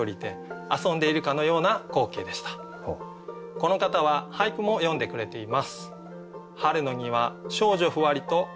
この方は俳句も詠んでくれています。